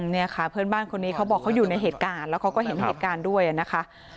เนี่ยค่ะเพื่อนบ้านคนนี้เขาบอกเขาอยู่ในเหตุการณ์แล้วเขาก็เห็นเหตุการณ์ด้วยนะคะ